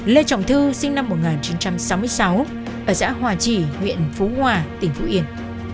lê trọng thư sinh năm một nghìn chín trăm sáu mươi sáu ở xã hòa chỉ huyện phú hòa tỉnh phú yên